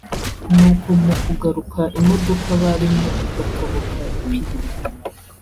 nuko mukugaruka imodoka barimo igatoboka ipine